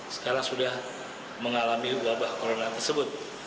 sekarang sudah mengalami wabah corona tersebut